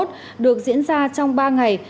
được diễn ra trong ba ngày